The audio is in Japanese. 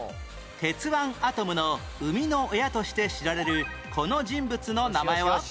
『鉄腕アトム』の生みの親として知られるこの人物の名前は？